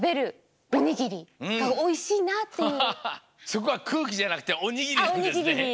そこはくうきじゃなくておにぎり。